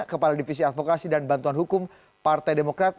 kepala divisi advokasi dan bantuan hukum partai demokrat